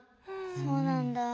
そうなんだ。